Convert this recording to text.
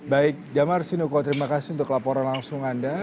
baik damar sinuko terima kasih untuk laporan langsung anda